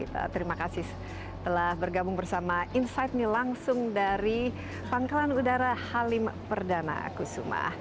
terima kasih telah bergabung bersama insight ini langsung dari pangkalan udara halim perdana kusuma